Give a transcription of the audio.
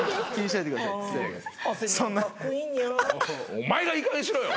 お前がいいかげんにしろよ！